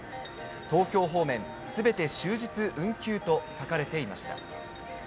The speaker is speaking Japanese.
東京方面、すべて終日運休と書かれていました。